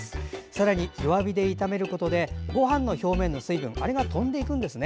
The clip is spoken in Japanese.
さらに、弱火で炒めることでごはんの表面の水分が飛んでいくんですね。